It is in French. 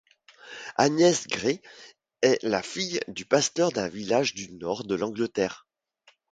Agnès Grey est la fille du pasteur d'un village du nord de l'Angleterre.